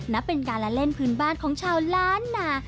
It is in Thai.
นับเป็นการละเล่นพื้นบ้านของชาวล้านนา